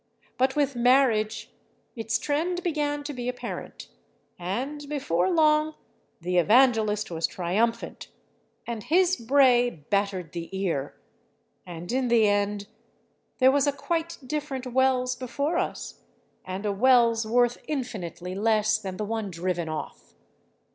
But with "Marriage," its trend began to be apparent—and before long the evangelist was triumphant, and his bray battered the ear, and in the end there was a quite different Wells before us, and a Wells worth infinitely less than the one driven off.